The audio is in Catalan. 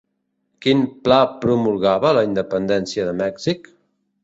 Quin pla promulgava la independència de Mèxic?